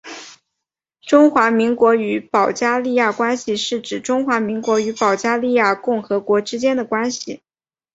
中华民国与保加利亚关系是指中华民国与保加利亚共和国之间的关系。